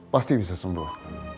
pasti bisa sembuh